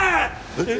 えっ？